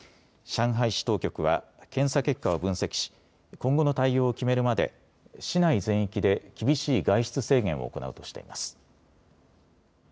上海市当局は検査結果を分析し今後の対応を決めるまで市内全域で厳しい外出制限を行うとしています。